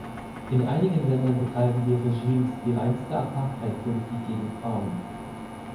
In einigen Ländern betreiben die Regimes die reinste Apartheidpolitik gegen Frauen.